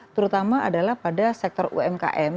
terutama adalah pada sektor umkm